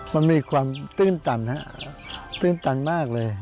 มันมีความตื้นตันตื้นตันมากเลย